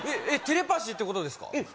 テレパシーってことですか？